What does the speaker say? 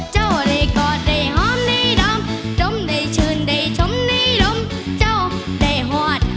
เจ้าได้กอดได้หอมได้ดำดำได้ชื่นได้ชมได้ดำเจ้าได้หวัด